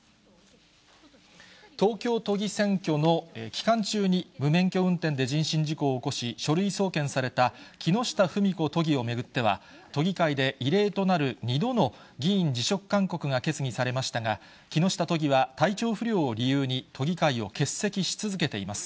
東京都議選挙の期間中に、無免許運転で人身事故を起こし、書類送検された木下富美子都議を巡っては、都議会で異例となる２度の議員辞職勧告が決議されましたが、木下都議は体調不良を理由に、都議会を欠席し続けています。